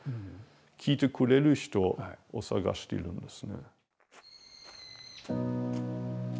聞いてくれる人を探しているんですね。